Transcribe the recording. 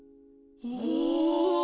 お！